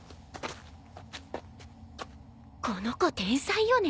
この子天才よね。